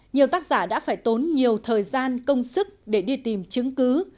nhiều tác giả đã phải tốn nhiều thời gian công sức để đi tìm chứng cứ